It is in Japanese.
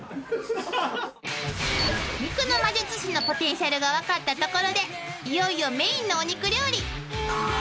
［肉の魔術師のポテンシャルが分かったところでいよいよメインのお肉料理］